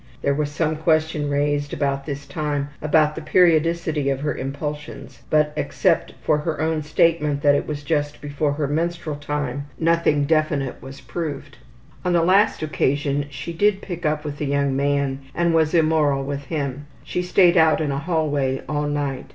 There was some question raised about this time about the periodicity of her impulsions, but except for her own statement that it was just before her menstrual time, nothing definite was proved. On the last occasion she did pick up with a young man and was immoral with him. She stayed out in a hallway all night.